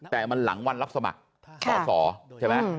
แต่มันหลังวันรับสมัครสอสอใช่ไหม